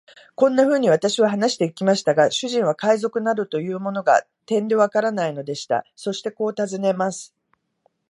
こんなふうに私は話してゆきましたが、主人は海賊などというものが、てんでわからないのでした。そしてこう尋ねます。